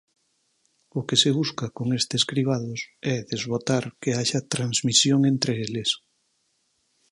O que se busca con estes cribados é desbotar que haxa transmisión entre eles.